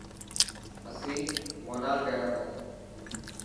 اسين مونال گياتا.